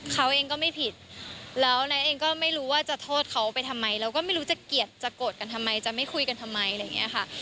เขาเองก็ไม่ผิดแล้วไนท์เองก็ไม่รู้ว่าจะโทษเขาไปทำไมเราก็ไม่รู้จะเกลียดจะโกรธกันทำไมจะไม่คุยกันทำไมอะไรอย่างนี้ค่ะ